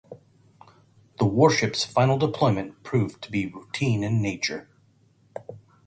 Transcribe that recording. The warship's final deployment proved to be routine in nature.